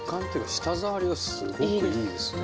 舌触りがすごくいいですね。